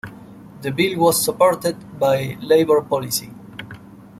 The bill was supported by Labor policy.